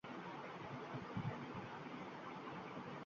শহরের বাসিন্দারা ময়লা-আবর্জনা রাস্তার পাশে ছোট স্তূপ করে পোড়ায়।